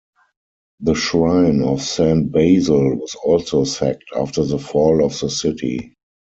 The shrine of Saint Basil was also sacked after the fall of the city.